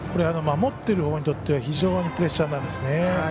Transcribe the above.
守っているほうにとっては非常にプレッシャーなんですね。